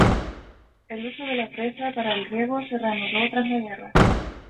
El uso de la presa para el riego se reanudó tras la guerra.